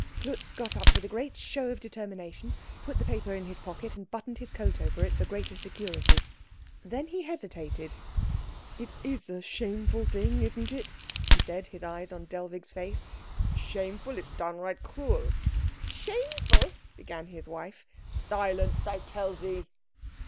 Klutz got up with a great show of determination, put the paper in his pocket, and buttoned his coat over it for greater security. Then he hesitated. "It is a shameful thing, isn't it?" he said, his eyes on Dellwig's face. "Shameful? It's downright cruel." "Shameful?" began his wife. "Silence, I tell thee!